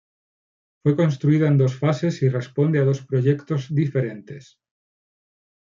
Fue construida en dos fases, y responde a dos proyectos diferentes.